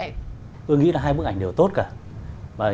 tôi nghĩ là hai bức ảnh đều tốt cả